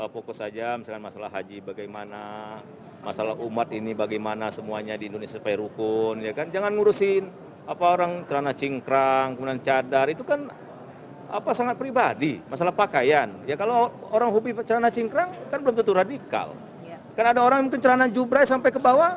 pemerintah sebaiknya tidak melakukan insuransi